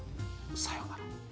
さようなら。